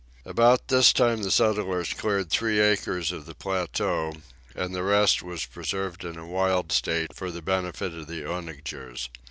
About this time the settlers cleared three acres of the plateau, and the rest was preserved in a wild state, for the benefit of the onagers.